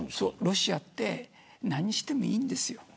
ロシアは何してもいいんですよ。